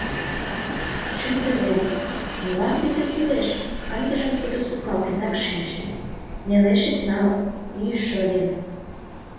Шӱмбелем... молан тиде кӱлеш?.. — ындыжым тудо сукалтенак шинче, — нелеш ит нал, йӱшӧ ыльым...